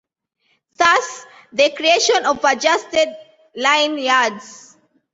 Thus, the creation of Adjusted Line Yards.